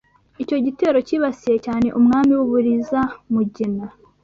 Icyo gitero cyibasiye cyane Umwami w’u Buliza Mugina